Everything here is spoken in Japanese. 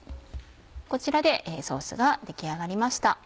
こちらでソースが出来上がりました。